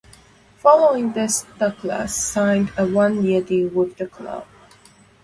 Following this, Douglas signed a one-year deal with the club.